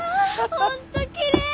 本当きれい！